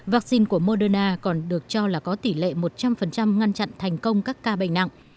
vaccine của moderna còn được cho là có tỷ lệ một trăm linh ngăn chặn thành công các ca bệnh nặng